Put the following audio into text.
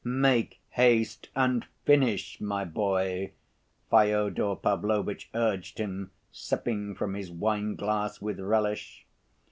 "Make haste and finish, my boy," Fyodor Pavlovitch urged him, sipping from his wine‐glass with relish.